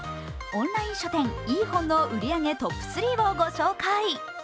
オンライン書店ｅ−ｈｏｎの売り上げトップ３を紹介。